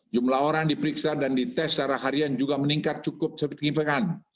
jumlah orang diperiksa dan dites secara harian juga meningkat cukup signifikan